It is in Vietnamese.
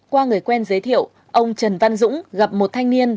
qua người quen giới thiệu ông trần văn dũng gặp một thanh niên